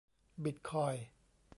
บิตคอยน์